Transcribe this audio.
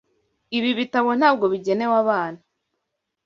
Ibi bitabo ntabwo bigenewe abana.